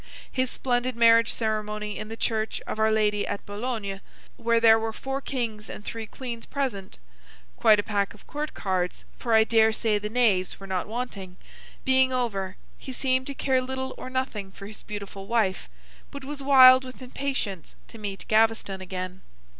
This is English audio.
His splendid marriage ceremony in the Church of Our Lady at Boulogne, where there were four Kings and three Queens present (quite a pack of Court Cards, for I dare say the Knaves were not wanting), being over, he seemed to care little or nothing for his beautiful wife; but was wild with impatience to meet Gaveston again.